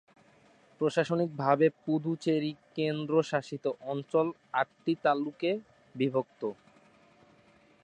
প্রশাসনিকভাবে পুদুচেরি কেন্দ্রশাসিত অঞ্চল আটটি তালুকে বিভক্ত।